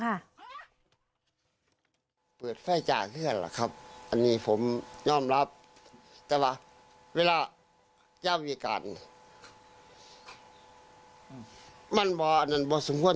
ถ้าหนาวไปอยากให้เห็นว่าน้องเขามาอยู่นี่เพราะว่าหน้าเห็นนี่พระมายามวิกาศ